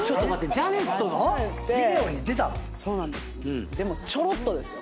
ジャネットのビデオに出たの⁉でもちょろっとですよ。